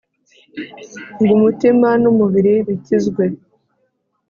Ng' umutima n'umubiri bikizwe.